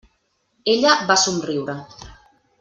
Ella va somriure.